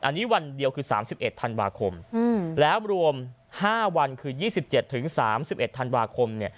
อันนี้วันเดียวคือ๓๑ธันวาคมแล้วรวม๕วันคือ๒๗๓๑ธันวาคม